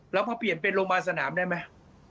แล้วพอเปลี่ยนเป็นโรงพยาบาลสนามได้ไหม